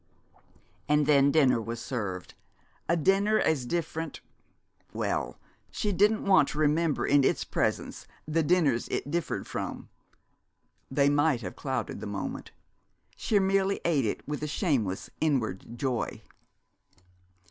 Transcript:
And then dinner was served, a dinner as different well, she didn't want to remember in its presence the dinners it differed from; they might have clouded the moment. She merely ate it with a shameless inward joy.